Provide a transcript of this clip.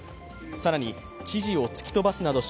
更に、知事を突き飛ばすなどし